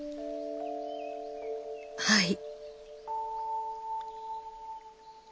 はい。